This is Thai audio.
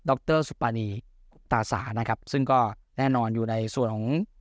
ด็อกเตอร์สุปนีคุปตาสานะครับซึ่งก็แน่นอนอยู่ในส่วนของ